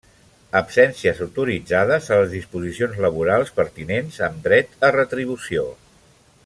Absències autoritzades a les disposicions laborals pertinents amb dret a retribució.